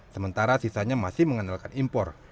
sementara sisanya masih mengandalkan impor